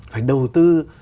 phải đầu tư